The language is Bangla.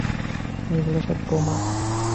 ওগুলো সব বোমা!